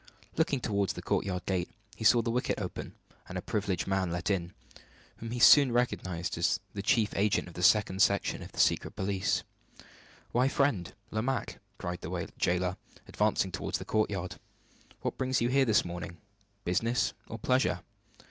Looking toward the courtyard gate, he saw the wicket opened, and a privileged man let in, whom he soon recognized as the chief agent of the second section of Secret Police. "Why, friend Lomaque," cried the jailer, advancing toward the courtyard, "what brings you here this morning, business or pleasure?"